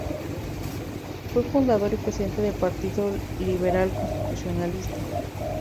Fue fundador y Presidente del Partido Liberal Constitucionalista.